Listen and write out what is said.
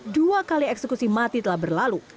dua kali eksekusi mati telah berlalu